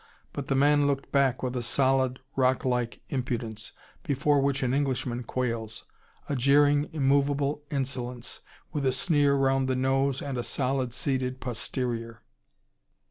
But the man looked back with a solid, rock like impudence, before which an Englishman quails: a jeering, immovable insolence, with a sneer round the nose and a solid seated posterior.